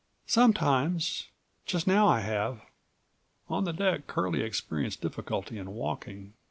"Sometimes. Just now I have." On the deck Curlie experienced difficulty in walking.